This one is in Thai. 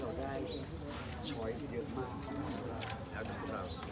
แต่ในทายที่เราอยากจะเสร็จไป